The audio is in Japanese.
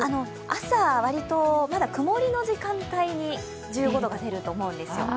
朝、割とまだ曇りの時間帯に１５度が出ると思うんですよ。